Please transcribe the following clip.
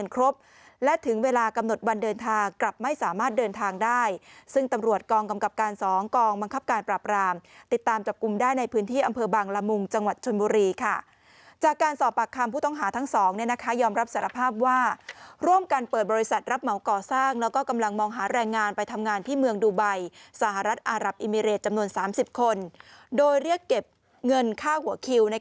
กราบรามติดตามจับกลุ่มได้ในพื้นที่อำเภอบางลามุงจังหวัดชนบุรีค่ะจากการสอบปากคำผู้ต้องหาทั้งสองเนี่ยนะคะยอมรับสารภาพว่าร่วมกันเปิดบริษัทรับเหมาก่อสร้างแล้วก็กำลังมองหาแรงงานไปทำงานที่เมืองดูไบสหรัฐอารับอิมิเรศจำนวนสามสิบคนโดยเรียกเก็บเงินค่าหัวคิวใน